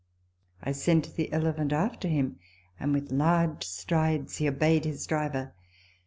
I sent the elephant after him, and with large strides he obeyed his driver.